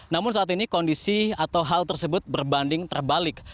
namun saat ini kondisi atau hal tersebut berbanding terbalik